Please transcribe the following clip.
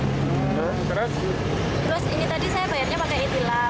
terus ini tadi saya bayarnya pakai e tilang